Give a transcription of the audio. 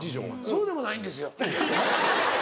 そうでもないんですよ。